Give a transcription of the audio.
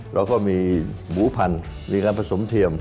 เราก็มีหมูพันธุ์มีการผสมเทียม